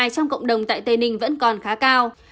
trong cộng đồng tại tây ninh vẫn còn khá cao